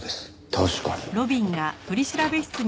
確かに。